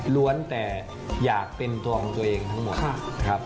ล้วนแต่อยากเป็นตัวของตัวเองทั้งหมด